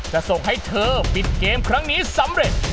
จะส่งให้เธอปิดเกมครั้งนี้สำเร็จ